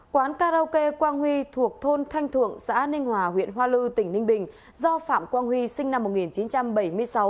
quán karaoke quang huy thuộc thôn thanh thượng xã ninh hòa huyện hoa lư tỉnh ninh bình do phạm quang huy sinh năm một nghìn chín trăm bảy mươi sáu